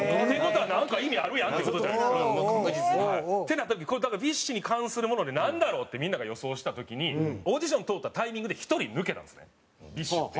なった時これＢｉＳＨに関するものでなんだろう？ってみんなが予想した時にオーディション通ったタイミングで１人抜けたんですねＢｉＳＨって。